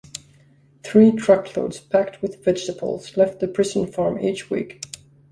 Three truckloads packed with vegetables left the prison farm each week.